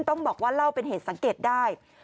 ต้องบอกว่าเล่าเป็นเหตุสังเกตได้